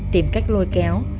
tìm cách lôi kéo